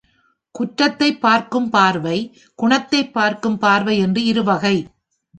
குற்றத்தைப் பார்க்கும் பார்வை, குணத்தைப் பார்க்கும் பார்வை என்று இருவகை.